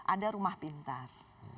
ada rumah pintar